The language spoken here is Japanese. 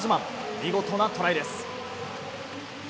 見事なトライです。